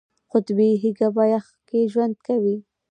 قطبي هیږه په یخ کې ژوند کوي